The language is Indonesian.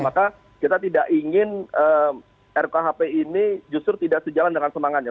maka kita tidak ingin rkuhp ini justru tidak sejalan dengan semangatnya